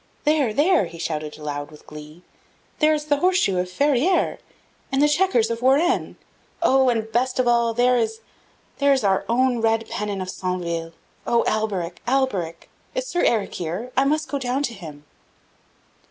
"There! there!" he shouted aloud with glee. "Oh, there is the horse shoe of Ferrieres! and there the chequers of Warenne! Oh, and best of all, there is there is our own red pennon of Centeville! O Alberic! Alberic! is Sir Eric here? I must go down to him!"